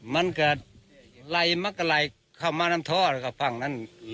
มันก็ไหลมากก็ไหลเข้ามาน้ำทอดกับฝั่งนั้น